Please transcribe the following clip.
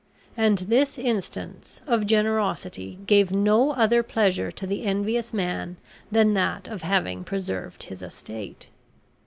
And this instance of generosity gave no other pleasure to the envious man than that of having preserved his estate.